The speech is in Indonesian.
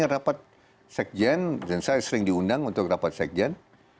rapat sekjen dan saya sering diundang untuk rapat sekjen